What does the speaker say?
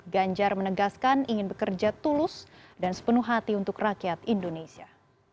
ganjar menegaskan ingin bekerja tulus dan sepenuh hati untuk rakyat indonesia